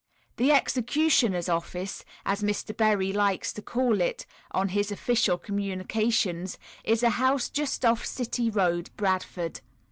The "executioner's office," as Mr. Berry likes to call it on his official communications, is a house just off City Road, Bradford.